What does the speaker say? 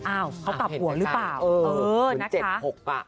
อ้าวเขาตับหัวหรือเปล่าเออนะคะเหมือน๗๖ป่ะ